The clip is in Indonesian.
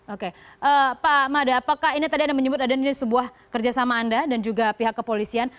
oke pak mada apakah ini tadi anda menyebut ada ini sebuah kerjasama anda dan juga pihak kepolisian